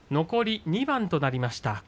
残り２番となりました。